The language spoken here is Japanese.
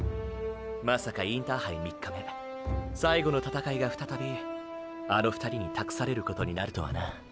まさかインターハイ３日目最後の闘いが再びあの２人に託されることになるとはな。